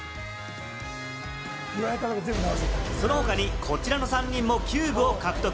その他にこちらの３人もキューブを獲得。